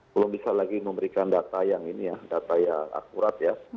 belum bisa lagi memberikan data yang ini ya data yang akurat ya